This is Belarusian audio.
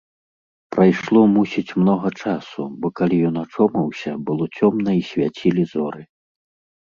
Прайшло, мусіць, многа часу, бо калі ён ачомаўся, было цёмна і свяцілі зоры.